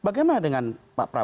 bagaimana dengan pak zulkifli